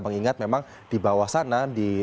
mengingat memang di bawah sana